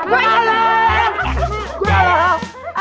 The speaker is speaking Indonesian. gua lihat kan